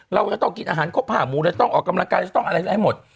เราจะต้องกินอาหารครบ๕หมูเราต้องออกกำลังกายจะต้องอะไรให้หมด